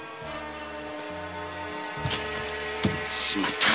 しまった！